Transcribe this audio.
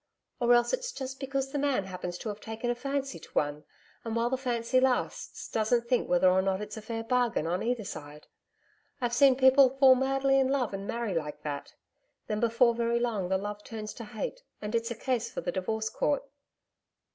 Or else it's just because the man happens to have taken a fancy to one, and while the fancy lasts doesn't think whether or not it's a fair bargain on either side. I've seen people fall madly in love and marry like that. Then before very long the love turns to hate and it's a case for the Divorce Court.'